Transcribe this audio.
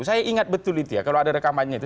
saya ingat betul itu ya kalau ada rekamannya itu